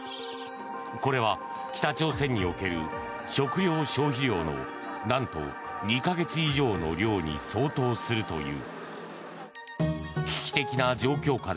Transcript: これは、北朝鮮における食糧消費量の何と２か月以上の量に相当するという。